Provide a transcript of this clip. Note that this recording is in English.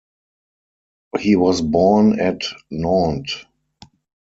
He was born at Nantes.